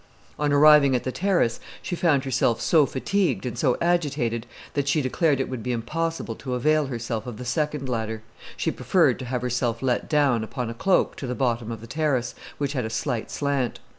On arriving at the terrace she found herself so fatigued and so agitated, that she declared it would be impossible to avail herself of the second ladder; she preferred to have herself let down upon a cloak to the bottom of the terrace, which had a slight slant.